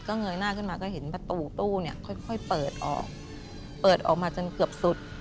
เงยหน้าขึ้นมาก็เห็นประตูตู้เนี่ยค่อยเปิดออกเปิดออกมาจนเกือบสุด